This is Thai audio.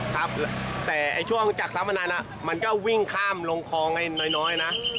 ครับแต่ช่วงจากสัมพนันทร์มันก็วิ่งข้ามลงคลองน้อยนะ